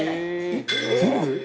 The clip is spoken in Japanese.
「えっ全部？」